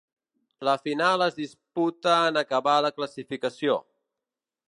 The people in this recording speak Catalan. La final es disputa en acabar la classificació.